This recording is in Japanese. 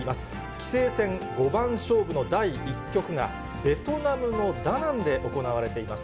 棋聖戦五番勝負の第１局が、ベトナムのダナンで行われています。